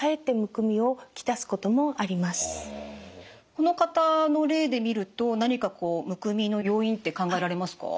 この方の例で見ると何かむくみの要因って考えられますか？